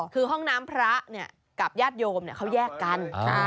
คือห้องน้ำพระกับญาติโยมเขาแยกกัน